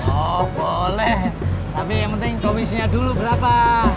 oh boleh tapi yang penting domisinya dulu berapa